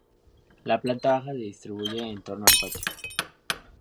La planta baja se distribuye en torno al patio.